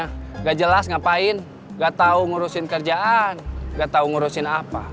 tidak jelas ngapain nggak tahu ngurusin kerjaan nggak tahu ngurusin apa